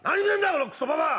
このクソババア！